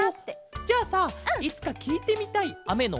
じゃあさいつかきいてみたいあめのおとってあるケロ？